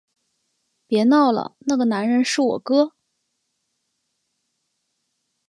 别闹了，那个男人是我哥